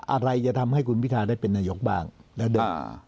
อะไรจะทำให้คุณพิทาได้เป็นนายกบ้างแล้วเดิน